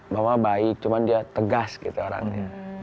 bahwa baik cuman dia tegas gitu orangnya